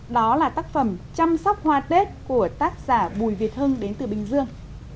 đó là tác phẩm chăm sóc hoa tết của tác giả bùi việt hưng đến từ bình dương